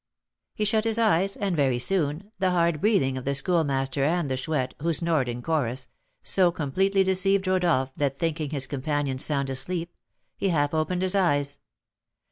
He shut his eyes, and very soon the hard breathing of the Schoolmaster and the Chouette, who snored in chorus, so completely deceived Rodolph, that, thinking his companions sound asleep, he half opened his eyes.